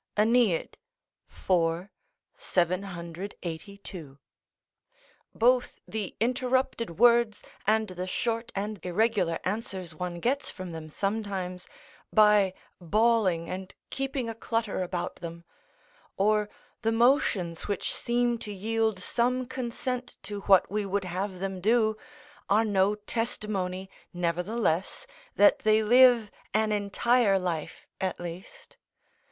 AEneid, iv. 782.] both the interrupted words, and the short and irregular answers one gets from them sometimes, by bawling and keeping a clutter about them; or the motions which seem to yield some consent to what we would have them do, are no testimony, nevertheless, that they live, an entire life at least.